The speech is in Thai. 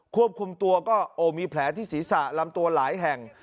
ควบคุมตัวก็โอ้มีแผลที่ศีรษะลำตัวหลายแห่ง